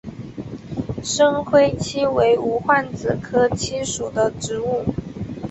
深灰槭为无患子科槭属的植物。